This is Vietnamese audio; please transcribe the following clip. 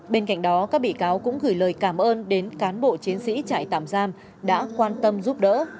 bên cạnh đó các bị cáo cũng gửi lời cảm ơn đến cán bộ chiến sĩ trại tạm giam đã quan tâm giúp đỡ